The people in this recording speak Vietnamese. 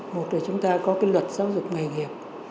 một là chúng ta có cái luật giáo dục nghề nghiệp